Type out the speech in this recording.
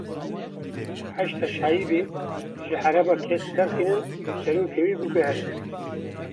Heşda Şeibî ji Herêma Kesk derxînin û serokê wê biguherînin.